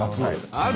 ある？